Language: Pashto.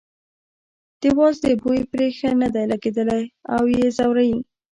د وازدې بوی پرې ښه نه دی لګېدلی او یې ځوروي.